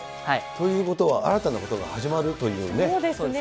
ということは、新たなことが始まるというね。